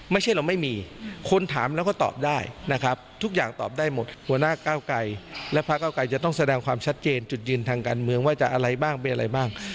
ไม่ใช่เราไม่มีคนถามแล้วก็ตอบได้นะครับทุกอย่างตอบได้หมดหัวหน้าก้าวไกรและพระเก้าไกรจะต้องแสดงความชัดเจนจุดยืนทางการเมืองว่าจะอะไรบ้างเป็นอะไรบ้าง